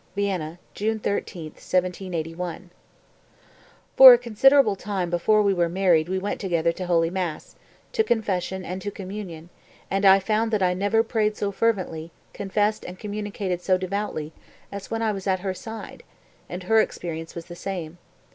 (Vienna, June 13, 1781.) 253. "For a considerable time before we were married we went together to Holy Mass, to confession and to communion; and I found that I never prayed so fervently, confessed and communicated so devoutly, as when I was at her side; and her experience was the same.